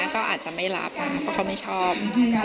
ก็อาจจะไม่รับเพราะเขาไม่ชอบ